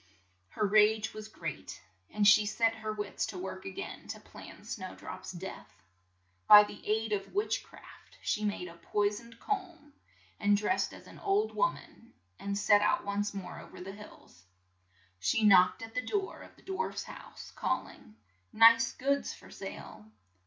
Her rage was great, and she set her wits to work a gain to plan Snow drop's death. By the aid of witch craft, she made a poi soned comb, and dressed as an old worn an, and set out once more o ver the hills. She knocked at the door of the dwarfs' house, call ing, "Nice goods for sale!"